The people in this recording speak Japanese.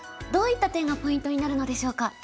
どういった点がポイントになるのでしょうか。